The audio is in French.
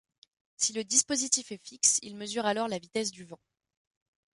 Si le dispositif est fixe, il mesure alors la vitesse du vent.